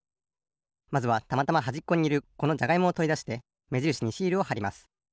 まずはたまたまはじっこにいるこのじゃがいもをとりだしてめじるしにシールをはります。